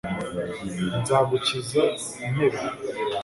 nzagukiza intebe